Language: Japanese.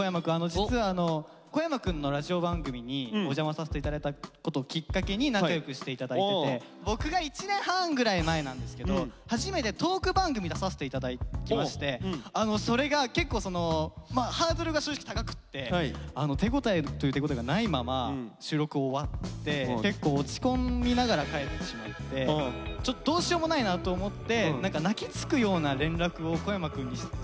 実は小山くんのラジオ番組にお邪魔させて頂いたことをきっかけに仲良くして頂いてて僕が１年半ぐらい前なんですけど初めてトーク番組出させて頂きましてそれが結構ハードルが正直高くって手ごたえという手ごたえがないまま収録終わって結構落ち込みながら帰ってしまってちょっとどうしようもないなと思って何か泣きつくような連絡を小山くんにしてしまったんですよ。